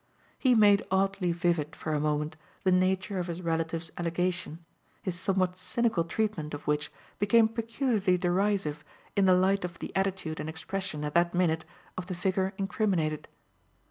He made oddly vivid for a moment the nature of his relative's allegation, his somewhat cynical treatment of which became peculiarly derisive in the light of the attitude and expression, at that minute, of the figure incriminated.